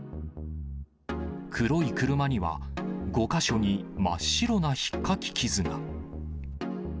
黒い車には、５か所に真っ白なひっかき傷が。